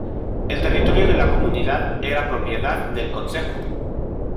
El territorio de la Comunidad era propiedad del Concejo.